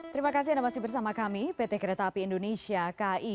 terima kasih anda masih bersama kami pt kereta api indonesia kai